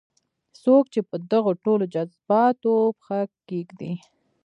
څوک چې په دغو ټولو جذباتو پښه کېږدي.